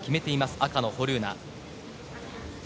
赤のホルーナ。